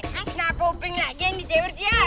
kenapa uping lagi yang di jewer si ya